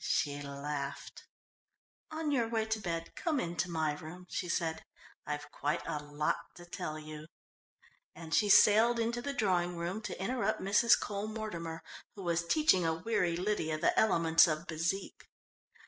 She laughed. "On your way to bed, come in to my room," she said. "I've quite a lot to tell you," and she sailed into the drawing room to interrupt Mrs. Cole Mortimer, who was teaching a weary Lydia the elements of bezique.